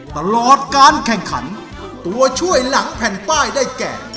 ตลอดการแข่งขันตัวช่วยหลังแผ่นป้ายได้แก่